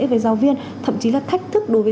về giáo viên thậm chí là thách thức đối với